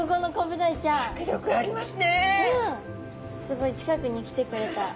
すごい近くに来てくれた。